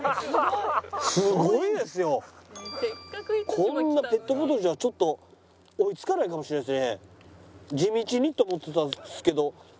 こんなペットボトルじゃちょっと追いつかないかもしれないですね。